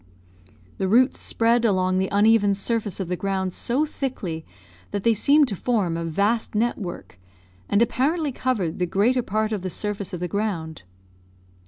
The roots spread along the uneven surface of the ground so thickly that they seemed to form a vast net work, and apparently covered the greater part of the surface of the ground.